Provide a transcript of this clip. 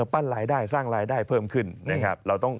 ปั้นรายได้สร้างรายได้เพิ่มขึ้นนะครับ